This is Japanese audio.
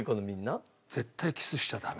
絶対キスしちゃダメ。